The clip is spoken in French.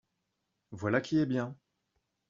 Voilà qui est bien!